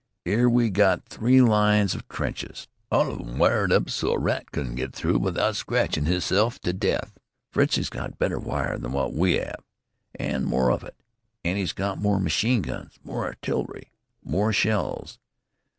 "'Ere we got three lines of trenches, all of 'em wired up so that a rat couldn't get through without scratchin' hisself to death. Fritzie's got better wire than wot we 'ave, an' more of it. An' 'e's got more machine guns, more artill'ry, more shells.